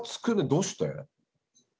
どうして？